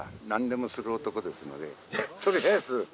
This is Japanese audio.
とりあえず。